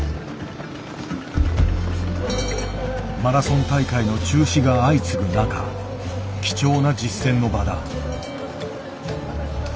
マラソン大会の中止が相次ぐ中貴重な実戦の場だ。